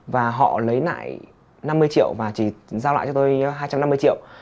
và họ lấy lại năm mươi triệu và chỉ giao lại cho tôi hai trăm năm mươi triệu